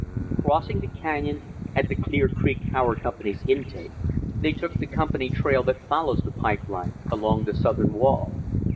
Crossing the canyon at the Clear Creek Power Company's intake, they took the company trail that follows the pipe line along the southern wall.